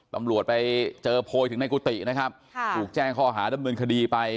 ตำรวจไปเจอโพยถึงในกุฏินะครับถูกแจ้งข้อหาดำเนินคดีไป